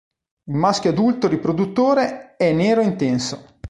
Il maschio adulto riproduttore è nero intenso.